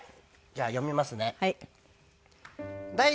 じゃあ読みますね。